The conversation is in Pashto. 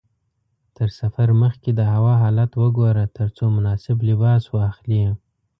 تر سفر مخکې د هوا حالت وګوره ترڅو مناسب لباس واخلې.